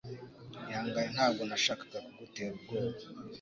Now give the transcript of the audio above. Ihangane ntabwo nashakaga kugutera ubwoba